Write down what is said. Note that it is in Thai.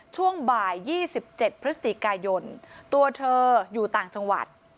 ช่วงบ่าย๒๗พฤศจิกายนตัวเธออยู่ต่างจังหวัด